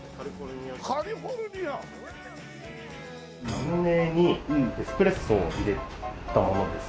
ラムネにエスプレッソを入れたものです。